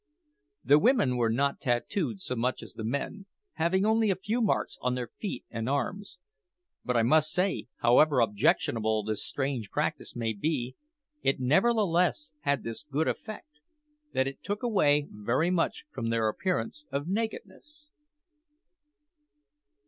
The women were not tattooed so much as the men, having only a few marks on their feet and arms. But I must say, however objectionable this strange practice may be, it nevertheless had this good effect that it took away very much from their appearance of nakedness.